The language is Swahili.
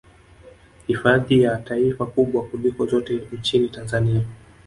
Hifadhi ya taifa kubwa kuliko zote nchini Tanzania